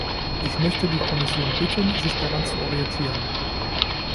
Ich möchte die Kommission bitten, sich daran zu orientieren.